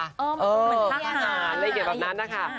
เหมือนทักหารในเหตุแบบนั้นนะคะ